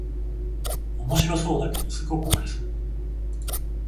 おもしろそうだけどすぐ壊れそう